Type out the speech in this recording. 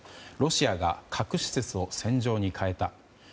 ロシアが核施設を戦場に変えた。